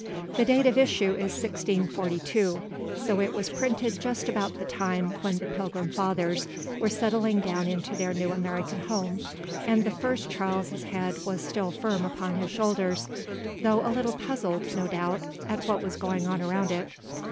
The date of issue is 1642, so it was printed just about the time when the Pilgrim Fathers were settling down into their new American home, and the first Charles's head was still firm upon his shoulders, though a little puzzled, no doubt, at what was going on around it.